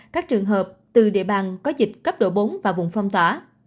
các trường hợp từ địa bàn có dịch cấp độ bốn và vùng phong tỏa